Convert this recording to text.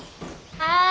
・はい。